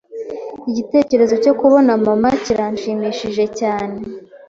Igitekerezo cyo kubona mama kiranshimishije cyane.